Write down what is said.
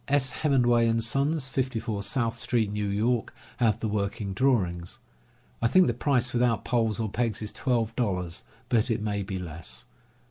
S. Hem menway and Son, 54 South St., New York, have the working drawings. I think the price, without poles or pegs, is twelve dollars, but it may be less.